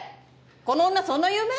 この女そんな有名？